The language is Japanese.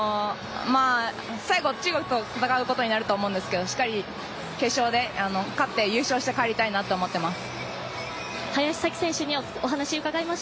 最後、中国と戦うことになると思うんですけどしっかり決勝で勝って優勝して帰りたいなと思います。